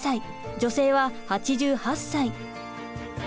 女性は８８歳。